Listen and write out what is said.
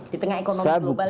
di tengah ekonomi global